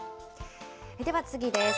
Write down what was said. では次です。